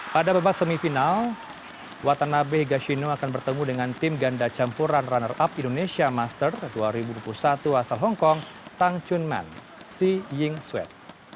pada babak semifinal watanabe higashino akan bertemu dengan tim ganda campuran runner up indonesia master dua ribu dua puluh satu asal hongkong tang chunman xi ying swet